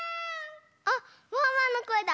あっワンワンのこえだ！